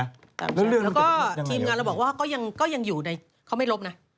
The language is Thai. แล้วก็ทีมงานเราบอกว่าก็ยังอยู่ในเขาไม่ลบนะ